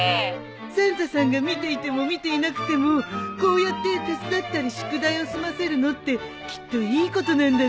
サンタさんが見ていても見ていなくてもこうやって手伝ったり宿題を済ませるのってきっといいことなんだろうね。